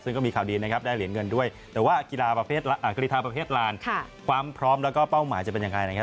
ซึ่งก็มีข่าวดีนะครับได้เหรียญเงินด้วยแต่ว่ากีฬาประเภทาประเภทลานความพร้อมแล้วก็เป้าหมายจะเป็นยังไงนะครับ